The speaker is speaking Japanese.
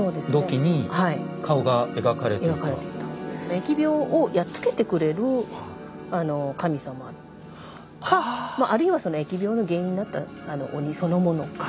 疫病をやっつけてくれる神様かあるいはその疫病の原因になった鬼そのものか